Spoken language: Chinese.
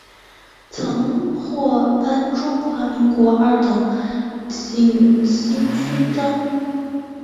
曾获颁中华民国二等景星勋章。